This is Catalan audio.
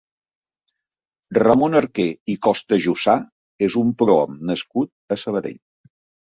Ramon Arquer i Costajussà és un prohom nascut a Sabadell.